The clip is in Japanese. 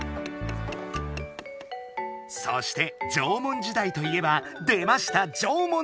そして縄文時代といえば出ました縄文土器！